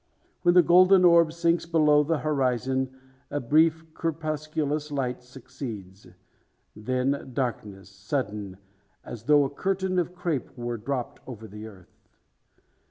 When the golden orb sinks below the horizon, a brief crepusculous light succeeds; then darkness, sudden as though a curtain of crape were dropped over the earth.